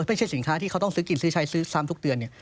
ไม่ใช่สินค้าที่เขาต้องซื้อกินซื้อใช้ซื้อซ้ำทุกเดือนเนี่ย